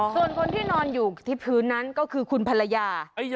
ส่วนคนที่นอนอยู่ที่พื้นนั้นก็คือคุณภรรยา